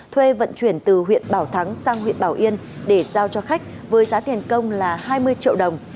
thuê vận chuyển từ huyện bảo thắng sang huyện bảo yên để giao cho khách với giá tiền công là hai mươi triệu đồng